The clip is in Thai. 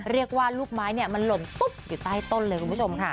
ลูกไม้มันหล่นตุ๊บอยู่ใต้ต้นเลยคุณผู้ชมค่ะ